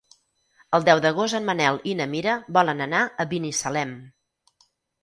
El deu d'agost en Manel i na Mira volen anar a Binissalem.